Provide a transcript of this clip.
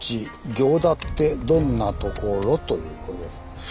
行田ってどんな所？」というこれですね。